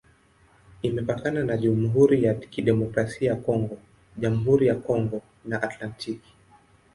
Imepakana na Jamhuri ya Kidemokrasia ya Kongo, Jamhuri ya Kongo na Atlantiki.